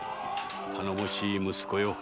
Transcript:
頼もしい息子よ」